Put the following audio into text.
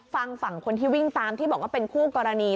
ฝั่งฝั่งคนที่วิ่งตามที่บอกว่าเป็นคู่กรณี